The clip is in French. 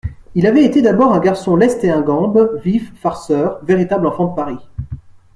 Il avait été d'abord un garçon leste et ingambe, vif, farceur, véritable enfant de Paris.